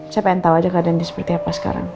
saya pengen tau aja keadaan dia seperti apa sekarang